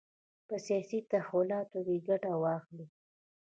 په سیاسي تحولاتو کې ګټه واخلي.